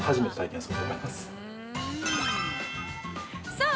◆さあ、